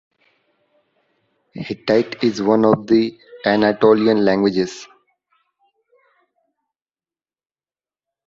Hittite is one of the Anatolian languages.